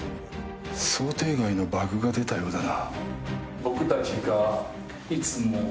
想定外のバグが出たようだな。